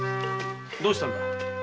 どうしたんだ。